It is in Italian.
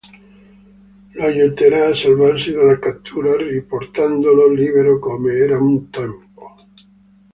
Lo aiuterà a salvarsi dalla cattura, riportandolo libero come era un tempo.